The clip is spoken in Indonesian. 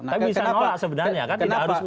tapi bisa nolak sebenarnya kan tidak harus